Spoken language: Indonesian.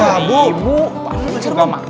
pak lu belajar gak makasih